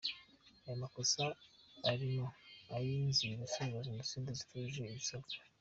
Ayo makosa arimo ay’inzibutso za Jenoside zitujuje ibisabwa.